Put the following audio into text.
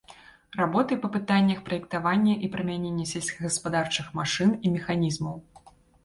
Работы па пытаннях праектавання і прымянення сельскагаспадарчых машын і механізмаў.